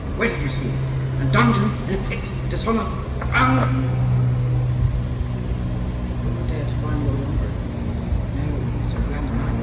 Where did you see him? In a dungeon? in a pit? dishonoured? bound?" "Who would dare to bind Lord Andrii? now he is so grand a knight.